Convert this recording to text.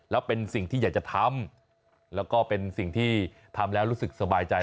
แล้วเป็นสิ่งที่อยากจะทำแล้วก็เป็นสิ่งที่ทำแล้วรู้สึกสบายใจ